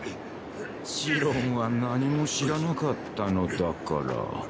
シロンは何も知らなかったのだから。